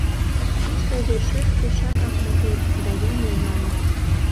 Тушто вер-шӧр пешакак мотор да ямле, маныт.